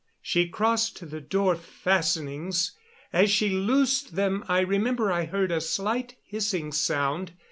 She crossed to the door fastenings. As she loosed them I remember I heard a slight hissing sound.